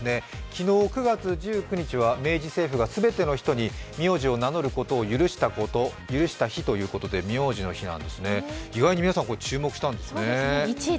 昨日、９月１９日は明治政府が全ての人に名字を名乗ることを許した日ということで苗字の日なんですね、皆さん意外にこれ注目したんですね。